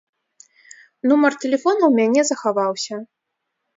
Нумар тэлефона ў мяне захаваўся.